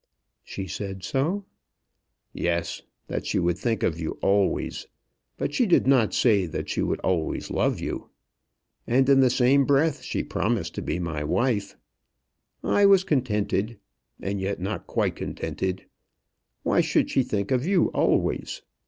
"She said so?" "Yes; that she would think of you always. But she did not say that she would always love you. And in the same breath she promised to be my wife. I was contented, and yet not quite contented. Why should she think of you always?